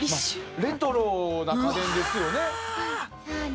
レトロな家電ですよね。